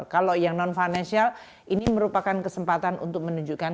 kalau yang non financial ini merupakan kesempatan untuk menunjukkan